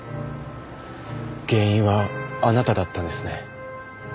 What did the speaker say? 原因はあなただったんですね。